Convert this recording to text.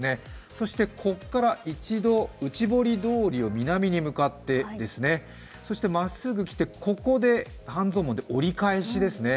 そしてここから一度内堀通りを南に向かって、まっすぐ来て半蔵門で折り返しですね。